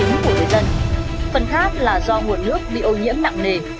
một phần là do nguồn nước bị ô nhiễm nặng nề